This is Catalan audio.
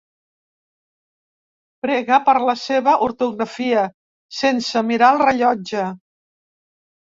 Prega per la seva ortografia sense mirar el rellotge.